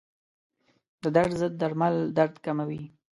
د درد ضد درمل درد کموي.